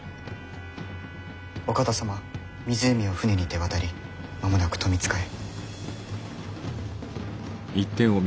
お方様湖を舟にて渡り間もなく富塚へ。